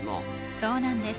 そうなんです。